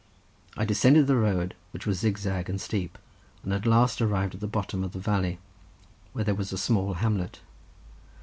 I descended the road which was zig zag and steep, and at last arrived at the bottom of the valley, where there was a small hamlet.